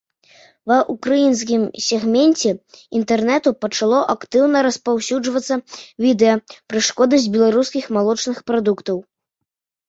Ва украінскім сегменце інтэрнэту пачало актыўна распаўсюджвацца відэа пра шкоднасць беларускіх малочных прадуктаў.